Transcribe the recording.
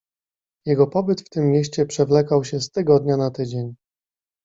Jego pobyt w tym mieście przewlekał się z tygodnia na tydzień.